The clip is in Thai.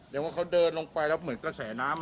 แต่ว่าเขาเดินลงไปแล้วเหมือนกระแสน้ำ